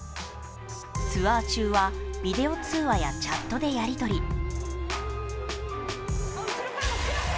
ツアー中はビデオ通話やチャットでやりとり。